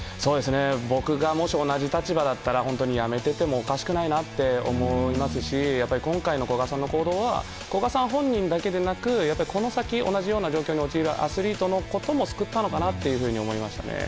僕がもし同じ立場だったら辞めていてもおかしくないなと思いますし今回の古賀さんの行動は古賀さん本人だけでなくこの先、同じような状況に陥るアスリートのことも救ったのかなと思いましたね。